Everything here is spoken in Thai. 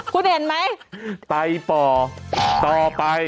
คุณเห็นไหมไปป่อต่อไป